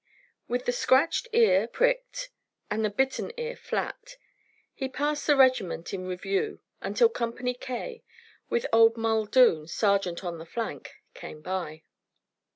With the scratched ear pricked and the bitten ear flat, he passed the regiment in review until Company K, with old Muldoon, sergeant on the flank, came by.